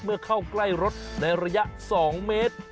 เข้าใกล้รถในระยะ๒เมตร